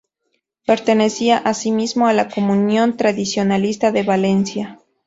Pertenecía asimismo a la Comunión Tradicionalista de Valencia.